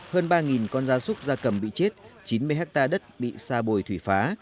hơn ba con da súc da cầm bị chết chín mươi hecta đất bị sa bồi thủy phá